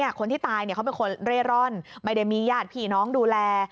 คนที่ตายเขาเป็นคนเร่ร่อนไม่ได้มีญาติพี่น้องดูแล